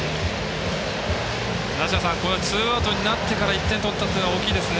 梨田さんツーアウトになってから１点取ったというのは大きいですね。